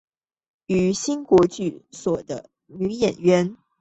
与新国剧所的女演员高仓典江结婚。